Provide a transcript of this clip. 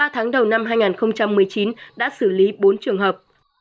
ba tháng đầu năm hai nghìn một mươi chín đã xử lý bốn trường hợp